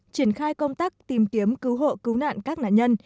triển khai công tác tìm kiếm cứu hộ cứu nạn các nạn nhân